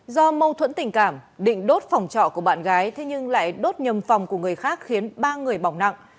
do mâu thuẫn tình cảm định đốt phòng trọ của bạn gái thế nhưng lại đốt nhầm phòng của người khác khiến ba người bỏng nặng